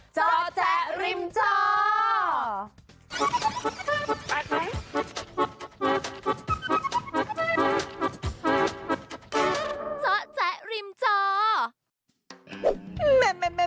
เจาะแจ๊ะริมเจาะ